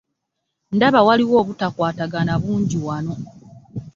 Ndaba waliwo obutakwatagana bungi wano.